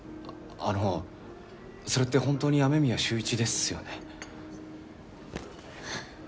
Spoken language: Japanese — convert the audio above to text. あのそれって本当に雨宮秀一ですよね？